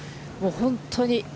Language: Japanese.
本当に。